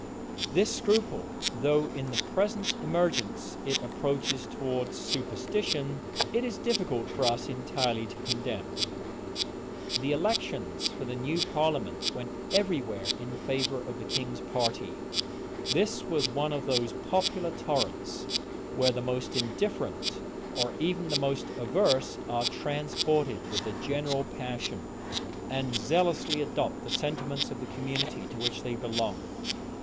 [] This scruple, though in the present emergence it approaches towards superstition, it is difficult for us entirely to condemn. * Lansdowne, Clarendon. Burnet. The elections for the new parliament went every where in favor of the king's party. This was one of those popular torrents, where the most indifferent, or even the most averse, are transported with the general passion, and zealously adopt the sentiments of the community to which they belong.